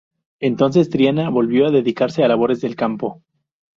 Entonces, Triana volvió a dedicarse a labores del campo.